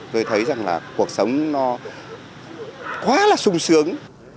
tôi thấy rằng là cuộc sống nó quá là sung sướng